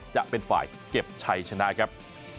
จะเป็นฝ่ายเก็บชัยชนะครับ